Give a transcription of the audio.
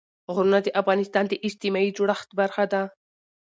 غرونه د افغانستان د اجتماعي جوړښت برخه ده.